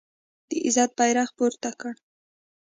د عزت بیرغ پورته کړ